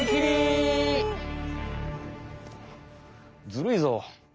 ずるいぞ。